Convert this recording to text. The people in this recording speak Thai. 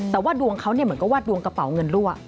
แต่ว่าดวงเขาเหมือนกับว่าดวงกระเป๋าเงินรั่ว